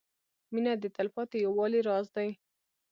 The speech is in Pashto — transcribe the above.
• مینه د تلپاتې یووالي راز دی.